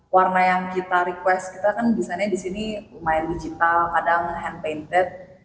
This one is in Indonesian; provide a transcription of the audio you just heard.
warna yang kita request kita kan desainnya di sini lumayan digital kadang hand painted